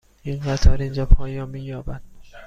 این قطار اینجا پایان می یابد.